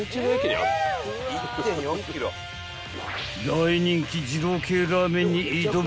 ［大人気二郎系ラーメンに挑む］